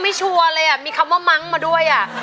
ชัวร์เลยอ่ะมีคำว่ามั้งมาด้วยอ่ะ